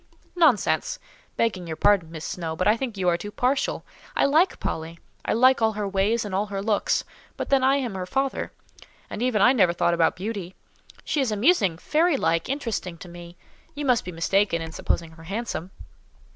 "Nonsense!—begging your pardon, Miss Snowe, but I think you are too partial. I like Polly: I like all her ways and all her looks—but then I am her father; and even I never thought about beauty. She is amusing, fairy like, interesting to me;—you must be mistaken in supposing her handsome?"